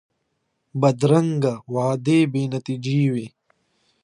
بدرنګه وعدې بې نتیجې وي